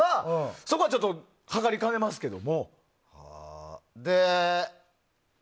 そこはちょっとはかりかねますけども。